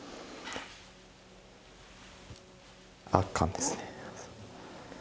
圧巻ですね。